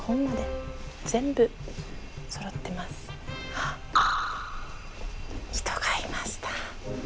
あっ人がいました。